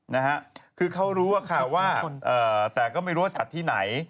นะฮะคือเขารู้ว่าค่ะว่าเอ่อแต่ก็ไม่รู้ว่าจัดที่ไหน